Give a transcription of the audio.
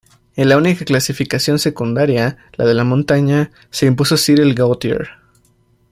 En la única clasificación secundaria, la de la montaña, se impuso Cyril Gautier.